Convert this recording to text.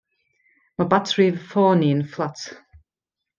Mae batri fy ffôn i'n fflat.